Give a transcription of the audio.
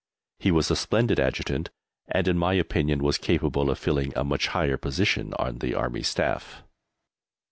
He was a splendid Adjutant, and, in my opinion, was capable of filling a much higher position on the Army Staff.